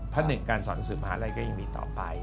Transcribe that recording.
หนึ่งการสอนหนังสือมหาลัยก็ยังมีต่อไป